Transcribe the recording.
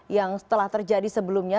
yang telah terjadi sebelumnya